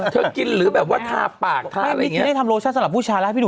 เธอกินหรือแบบว่าทาปากทาอะไรอย่างนี้